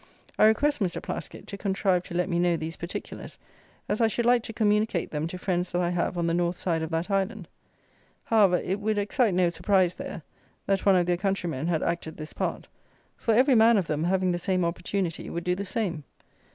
I request Mr. Plaskitt to contrive to let me know these particulars; as I should like to communicate them to friends that I have on the north side of that island. However, it would excite no surprise there, that one of their countrymen had acted this part; for every man of them, having the same opportunity, would do the same.